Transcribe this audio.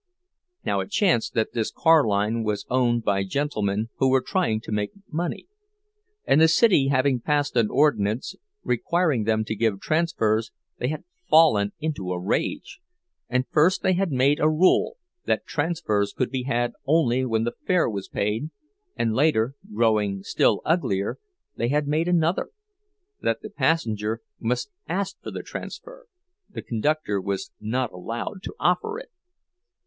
Now it chanced that this car line was owned by gentlemen who were trying to make money. And the city having passed an ordinance requiring them to give transfers, they had fallen into a rage; and first they had made a rule that transfers could be had only when the fare was paid; and later, growing still uglier, they had made another—that the passenger must ask for the transfer, the conductor was not allowed to offer it.